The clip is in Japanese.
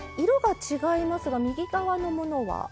色が違いますが右側のものは？